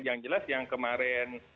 yang jelas yang kemarin